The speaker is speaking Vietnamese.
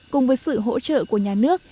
cùng với sự hỗ trợ của nhà nước